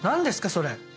それ！